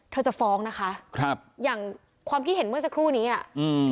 จะฟ้องนะคะครับอย่างความคิดเห็นเมื่อสักครู่นี้อ่ะอืม